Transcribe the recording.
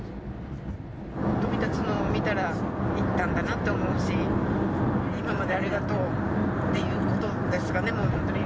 飛び立つのを見たら、行ったんだなと思うし、今までありがとうっていうことですかね。